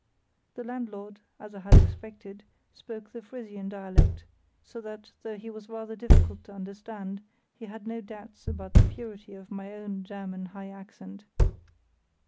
_ The landlord, as I had expected, spoke the Frisian dialect, so that though he was rather difficult to understand, he had no doubts about the purity of my own German high accent.